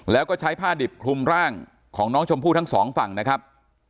แล้วก็ใช้ผ้าดิบคลุมร่างของน้องชมพู่ทั้งสองฝั่งนะครับ